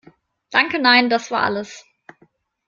Danke nein, das war alles.